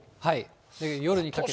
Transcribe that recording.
夜にかけて。